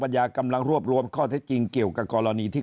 ยากำลังรวบรวมข้อเท็จจริงเกี่ยวกับกรณีที่